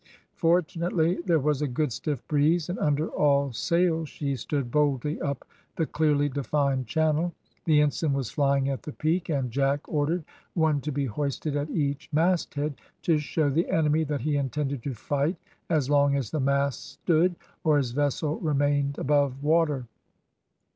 Fortunately there was a good stiff breeze, and under all sail she stood boldly up the clearly defined channel. The ensign was flying at the peak, and Jack ordered one to be hoisted at each masthead, to show the enemy that he intended to fight as long as the masts stood, or his vessel remained above water.